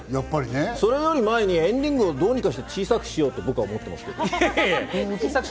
それより前に＆ＲＩＮＧをどうにかして、小さくしようと僕は思ってます。